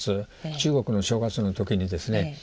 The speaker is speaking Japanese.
中国の正月の時にですね